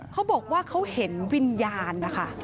เขาบอกว่าเขาเห็นวิญญาณนะคะ